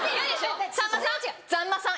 さんまさん！